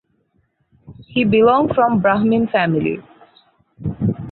He belong from Brahmin family.